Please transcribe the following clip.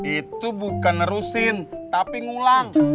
itu bukan nerusin tapi ngulang